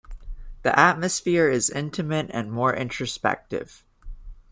The atmosphere is intimate and more introspective.